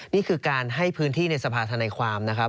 นี่คือการให้พื้นที่ในสภาษณ์ทนายความ